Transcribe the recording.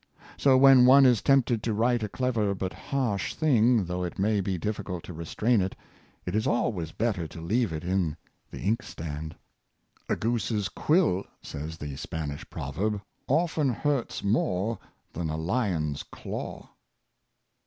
So, when one is tempted to write a clever but harsh thing, though it may be difficult to restrain it, it is alwa3^s better to leave it in the inkstand. " A goose's quill," says the Spanish proverb, " often hurts n^ore than a lion's claw."